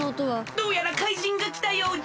どうやら怪人がきたようじゃ！